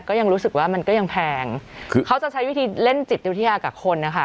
ก็ยังรู้สึกว่ามันก็ยังแพงคือเขาจะใช้วิธีเล่นจิตวิทยากับคนนะคะ